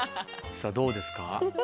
さぁどうですか？